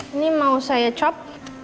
ini mau saya cut